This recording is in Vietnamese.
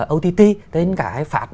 ott tên cái phạt